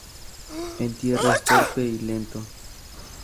En tierra, es torpe y lento.